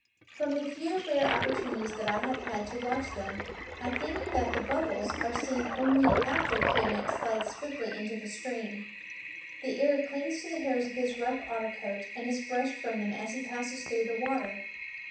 From the few rare opportunities that I have had to watch them, I think that the bubbles are seen only after Keeonekh slides swiftly into the stream. The air clings to the hairs of his rough outer coat and is brushed from them as he passes through the water.